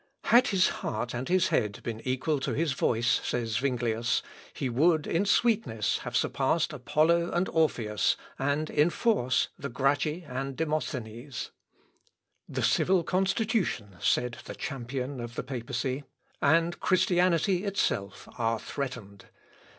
"Had his heart and his head been equal to his voice," says Zuinglius, "he would, in sweetness, have surpassed Apollo and Orpheus, and in force the Gracchi and Demosthenes." "The civil constitution," said the champion of the papacy, "and Christianity itself, are threatened.